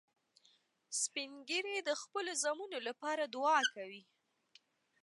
سپین ږیری د خپلو زامنو لپاره دعا کوي